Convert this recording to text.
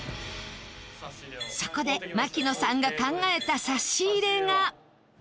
そこで槙野さんが考えた差し入れが